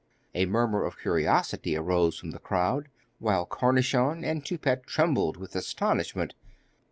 A murmur of curiosity arose from the crowd, while Cornichon and Toupette trembled with astonishment.